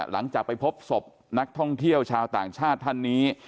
หลังจากไปพบศพนักท่องเที่ยวชาวต่างชาติท่านนี้